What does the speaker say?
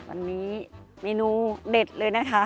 วันนี้เมนูเด็ดเลยนะคะ